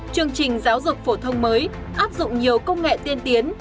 chương trình giáo dục phổ thông mới áp dụng nhiều công nghệ tiên tiến